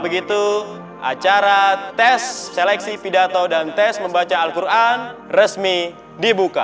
begitu acara tes seleksi pidato dan tes membaca al quran resmi dibuka